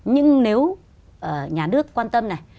nhưng nếu nhà nước quan tâm này